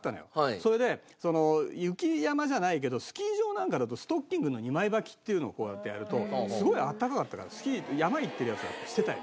それで雪山じゃないけどスキー場なんかだとストッキングの２枚ばきっていうのをこうやってやるとすごいあったかかったからスキー山行ってるヤツらはしてたよ。